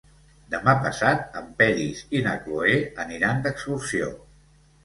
Demà passat en Peris i na Cloè aniran d'excursió.